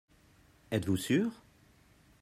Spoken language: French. Êtes-vous sûr ?